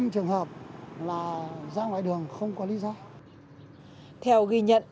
một mươi năm trường hợp là ra ngoài đường không có ly xã